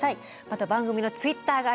また番組のＴｗｉｔｔｅｒがあります。